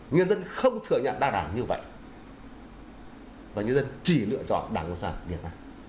nhân dân không thừa nhận đa đảng như vậy và nhân dân chỉ lựa chọn đảng cộng sản việt nam